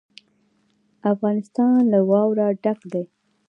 افغانستان له واوره ډک دی.